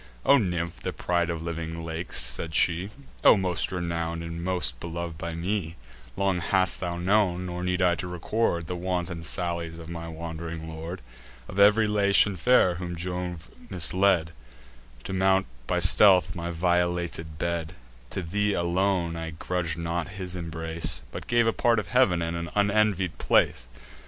"O nymph, the pride of living lakes," said she, "O most renown'd, and most belov'd by me, Long hast thou known, nor need I to record, The wanton sallies of my wand'ring lord. Of ev'ry Latian fair whom Jove misled To mount by stealth my violated bed, To thee alone I grudg'd not his embrace, But gave a part of heav'n, and an unenvied place.